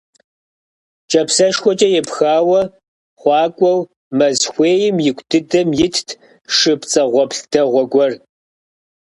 Кӏапсэшхуэкӏэ епхауэ хъуакӏуэу, мэз хуейм ику дыдэм итт шы пцӏэгъуэплъ дэгъуэ гуэр.